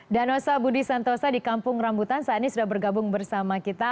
dan osa budi santosa di kampung rambutan saat ini sudah bergabung bersama kita